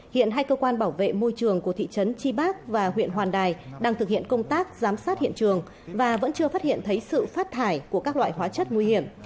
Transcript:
hiện hai cơ quan bảo vệ môi trường của thị trấn tri bác và huyện hoàn đài đang thực hiện công tác giám sát hiện trường và vẫn chưa phát hiện thấy sự phát thải của các loại hóa chất nguy hiểm